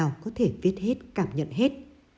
không có thể viết hết cảm nhận hết